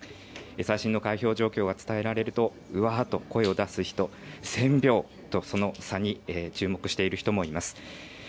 最新の開票状況が伝えられて、うわっと声を出す人、１０００票とその差に注目している人もいます。